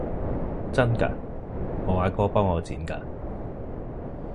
真㗎？我阿哥幫我剪㗎！